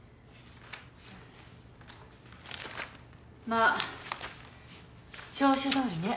まあ調書どおりね。